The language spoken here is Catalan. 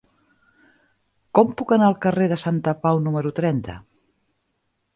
Com puc anar al carrer de Santapau número trenta?